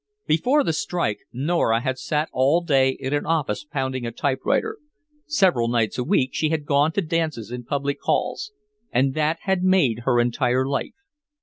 Before the strike Nora had sat all day in an office pounding a typewriter, several nights a week she had gone to dances in public halls, and that had made her entire life.